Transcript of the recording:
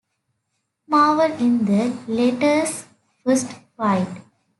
Marvel in the latter's first fight.